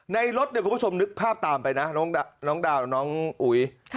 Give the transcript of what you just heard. รถเนี่ยคุณผู้ชมนึกภาพตามไปนะน้องดาวน้องอุ๋ย